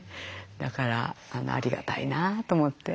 だからありがたいなと思って。